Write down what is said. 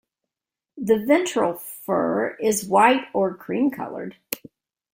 The ventral fur is white or cream-colored.